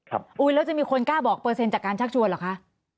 อุ้ยแล้วจะมีคนกล้าบอกเปอร์เซ็นต์จากการชักชวนเหรอคะ